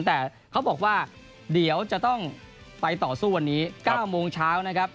แต่เขาบอกว่าเดี๋ยวจะต้องไปต่อสู้วันนี้๙โมงเช้านะครับ